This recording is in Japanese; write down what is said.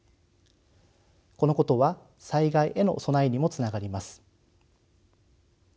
このことは災害への備えにもつながります。